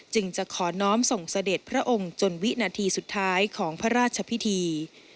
จะขอน้อมส่งเสด็จพระองค์จนวินาทีสุดท้ายของพระราชพิธี